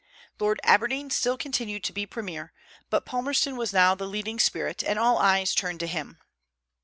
Lord Aberdeen still continued to be premier; but Palmerston was now the leading spirit, and all eyes turned to him.